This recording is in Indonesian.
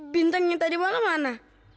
bintangnya tadi malam mana